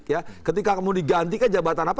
ya ketika kamu digantikan jabatan apa